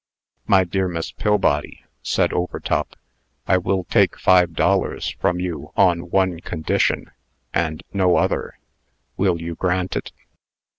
"My dear Miss Pillbody," said Overtop, "I will take five dollars from you on one condition, and no other. Will you grant it?"